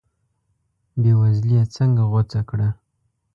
بې وزلي یې څنګه غوڅه کړه.